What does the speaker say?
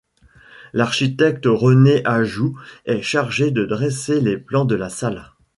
L'architecte René Ajoux est chargé de dresser les plans de la salle.